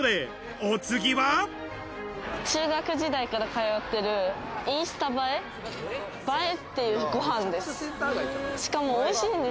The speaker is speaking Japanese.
お次は中学時代から通ってる、インスタ映えっていうご飯です。